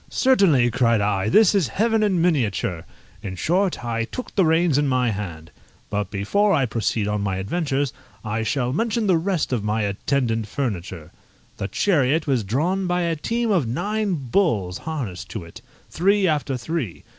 "Certainly," cried I, "this is heaven in miniature!" In short, I took the reins in my hand. But before I proceed on my adventures, I shall mention the rest of my attendant furniture. The chariot was drawn by a team of nine bulls harnessed to it, three after three.